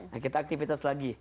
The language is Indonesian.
nah kita aktivitas lagi